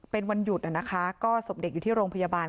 เป็นวันหยุดนะคะก็ศพเด็กอยู่ที่โรงพยาบาล